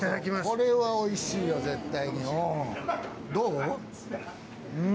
これはおいしいよ絶対にどう？